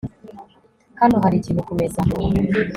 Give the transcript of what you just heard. Hano hari ikintu kumeza